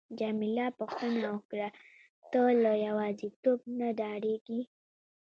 جميله پوښتنه وکړه: ته له یوازیتوب نه ډاریږې؟